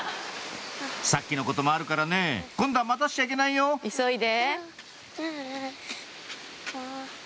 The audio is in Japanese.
さっきのこともあるからね今度は待たせちゃいけないよ急いで！